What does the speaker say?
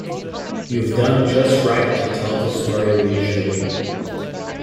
You’ve done just right to tell the story leisurely.